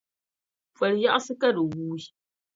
Poli yaɣsi ka di wuui.